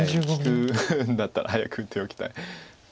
利くんだったら早く打っておきたい。